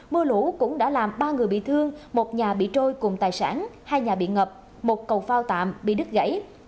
mưa lũ cũng đã làm ba người bị thương một nhà bị trôi cùng tài sản hai nhà bị ngập một cầu phao tạm bị đứt gãy